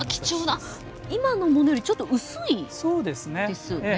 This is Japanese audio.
今のものよりちょっと薄いですよね。